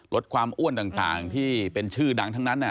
ลดความอ้วนต่างที่เป็นชื่อดังทั้งนั้น